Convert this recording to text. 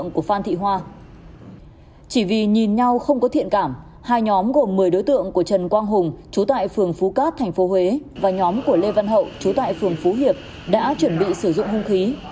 chỉ vì nhìn nhau không có thiện cảm hai nhóm gồm một mươi đối tượng của trần quang hùng chú tại phường phú cát tp huế và nhóm của lê văn hậu chú tại phường phú hiệp đã chuẩn bị sử dụng hung khí